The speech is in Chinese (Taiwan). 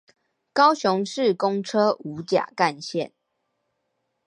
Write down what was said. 高雄市公車五甲幹線